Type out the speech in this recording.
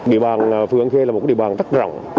địa bàn phường an khê là một địa bàn rất rộng